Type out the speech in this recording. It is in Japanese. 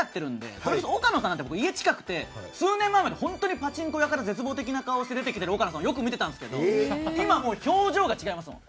それこそ岡野さんなんて家、近くて数年前なんて本当にパチンコ屋から絶望的な顔して出てきてる岡野さんをよく見てたんですけど今は表情が違いますから。